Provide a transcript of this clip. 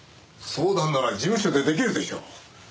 相談なら事務所で出来るでしょう。